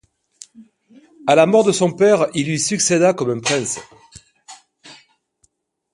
À la mort de son père, il lui succéda comme prince.